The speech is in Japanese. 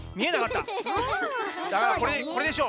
だからこれでしょ！